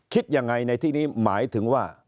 คิดยังไงในที่นี้หมายถึงว่า